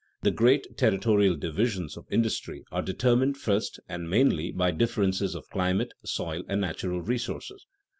The great territorial divisions of industry are determined first and mainly by differences of climate, soil, and natural resources.